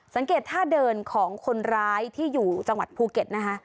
สังเกตท่าเดินของคนร้ายที่อยู่จังหวัดภูเก็ตนะคะ